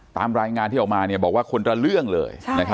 ตามรายงานที่ออกมาบอกว่าคนละเรื่องเลย